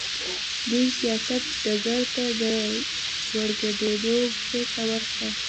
دوی سیاست ډګر ته د ورګډېدو پرېکړه وکړه.